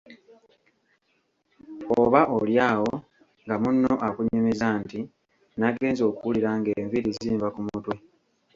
Oba oli awo nga munno akunyumiza nti; "Nagenze okuwulira ng'enviiri zinva ku mutwe."